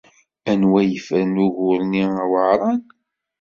Anwa ay yefran ugur-nni aweɛṛan?